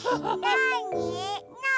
なに？